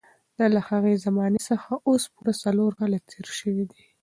له هغې زمانې څخه اوس پوره څلور کاله تېر شوي دي.